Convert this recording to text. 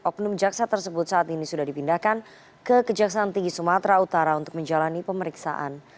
oknum jaksa tersebut saat ini sudah dipindahkan ke kejaksaan tinggi sumatera utara untuk menjalani pemeriksaan